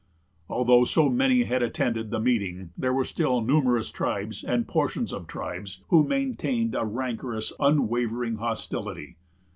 Although so many had attended the meeting, there were still numerous tribes, and portions of tribes, who maintained a rancorous, unwavering hostility.